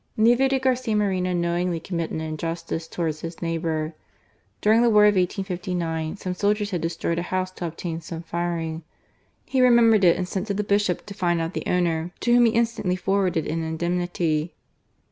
Never did Garcia Moreno knowingly commit an injustice towards his neighbour. During the war of 1859 some soldiers had destroyed a house to obtain some firing. He remembered it and sent to the Bishop to find out the owner, to whom he instantly forwarded an indemnity.